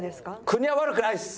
国は悪くないです！